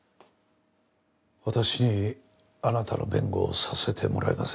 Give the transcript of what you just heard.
私にあなたの弁護をさせてもらえませんか？